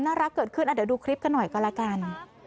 น่ารักเกิดขึ้นอาจจะดูคริปกันหน่อยก็ละกัน